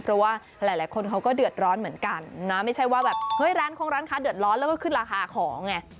เพราะว่าหลายคนเขาก็เดือดร้อนเหมือนกันนะไม่ใช่ว่าแบบเฮ้ยร้านคงร้านค้าเดือดร้อนแล้วก็ขึ้นราคาของไง